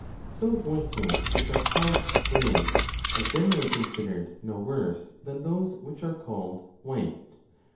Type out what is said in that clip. So voices which are called grey 4 are 8o2 a generally considered no worse than those which are called white